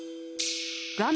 画面